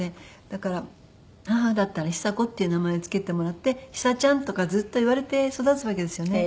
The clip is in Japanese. だから母だったら「ヒサ子」っていう名前付けてもらって「ヒサちゃん」とかずっと言われて育つわけですよね。